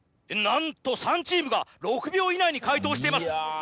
なんと３チームが６秒以内に解答しています。